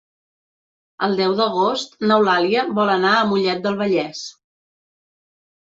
El deu d'agost n'Eulàlia vol anar a Mollet del Vallès.